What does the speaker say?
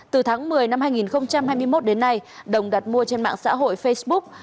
từ tháng một mươi năm hai nghìn hai mươi một đến nay đồng đặt mua trên mạng xã hội facebook